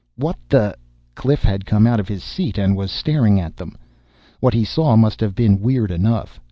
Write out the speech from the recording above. "What the...." Cliff had come out of his seat and was staring at them. What he saw must have been weird enough.